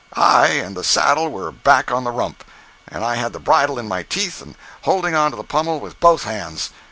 I and the saddle were back on the rump, and I had the bridle in my teeth and holding on to the pommel with both hands.